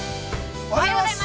おはようございます。